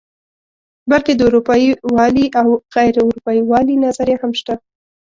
بلکې د اروپايي والي او غیر اروپايي والي نظریه هم شته.